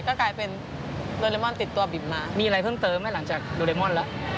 ก็กลายเป็นโดเรมอนติดตัวบิ๋มมามีอะไรเพิ่มเติมไหมหลังจากโดเรมอนแล้ว